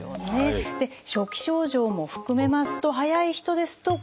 初期症状も含めますと早い人ですと５０歳代から。